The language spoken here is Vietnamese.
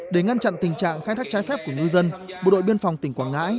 để ngăn chặn tình trạng khai thác trái phép của ngư dân bộ đội biên phòng tỉnh quảng ngãi